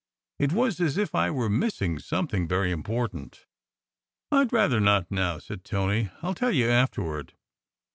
It was as if I were missing something very important. "I d rather not now," said Tony. "I ll tell you after ward."